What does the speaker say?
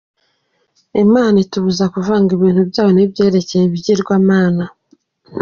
Imana itubuza kuvanga ibintu byayo n’ibyerekeye Ibigirwamana.